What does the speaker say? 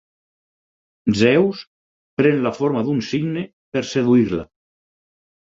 Zeus pren la forma d'un cigne per seduir-la.